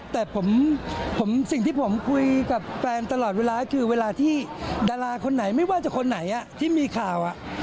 แต่ผมสิ่งที่ผมคุยกับแฟนตลอดเวลาคือเวลาที่ดาราคนไหนไม่ว่าจะคนไหนที่มีข่าว